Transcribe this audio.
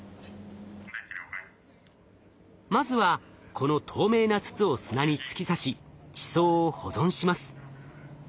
まずはこの透明な筒を砂に突き刺し地層を保存します。